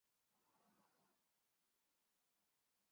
Μα, παιδί μου, θα λεκιάσεις το πετσί τού σοφά.